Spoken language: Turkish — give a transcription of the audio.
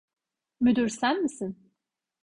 Müdür sen misin?